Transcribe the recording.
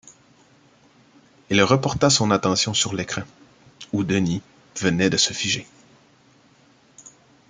Il reporta son attention sur l’écran, où Denis venait de se figer.